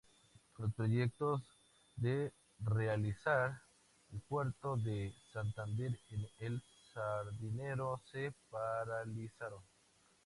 Los proyectos de realizar el puerto de Santander en El Sardinero se paralizaron.